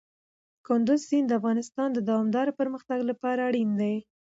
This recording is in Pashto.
کندز سیند د افغانستان د دوامداره پرمختګ لپاره اړین دي.